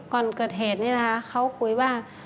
ก่อนเกิดเหตุนี้นะคะเขาคุยว่า